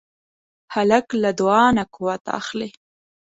هلک له دعا نه قوت اخلي.